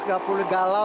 tidak perlu galau